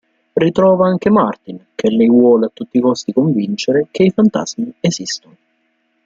Ritrova anche Martin, che lei vuole a tutti costi convincere che i fantasmi esistono.